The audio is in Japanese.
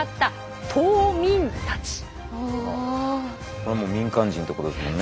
これはもう民間人ってことですもんね。